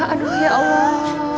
aduh ya allah